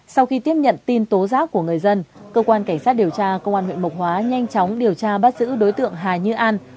sau khi tiếp nhận tin tố giác của người dân cơ quan cảnh sát điều tra công an huyện mộc hóa nhanh chóng điều tra bắt giữ đối tượng hà như an